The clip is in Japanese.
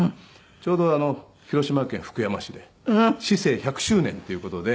ちょうど広島県福山市で市制１００周年っていう事で。